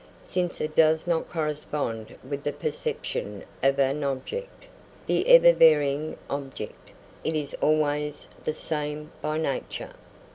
Since it does not correspond with the perception of an object the ever varying object it is always the same by nature.